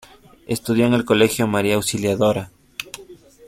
Estudió en el colegio Maria Auxiliadora.